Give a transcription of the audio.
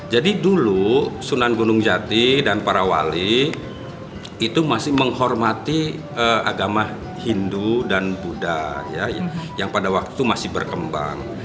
dulu sunan gunung jati dan para wali itu masih menghormati agama hindu dan buddha yang pada waktu itu masih berkembang